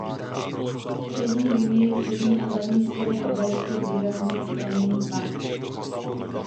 Střední linii přední a zadní stěny obelisku zvýrazňuje skleněný pás.